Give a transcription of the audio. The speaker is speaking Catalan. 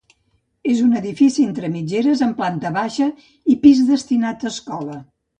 És un edifici entre mitgeres, amb planta baixa i pis destinat a escola.